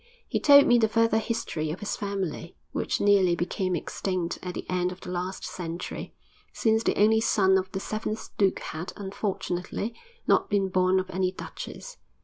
He told me the further history of his family, which nearly became extinct at the end of the last century, since the only son of the seventh duke had, unfortunately, not been born of any duchess.